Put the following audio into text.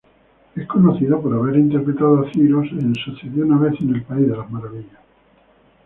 Es conocido por haber interpretado a Cyrus en "Once Upon a Time in Wonderland".